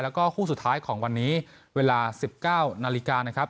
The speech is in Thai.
แล้วก็คู่สุดท้ายของวันนี้เวลา๑๙นาฬิกานะครับ